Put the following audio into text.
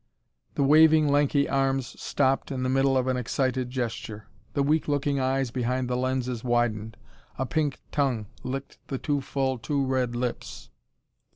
The waving, lanky arms stopped in the middle of an excited gesture. The weak looking eyes behind the lenses widened. A pink tongue licked the too full, too red lips.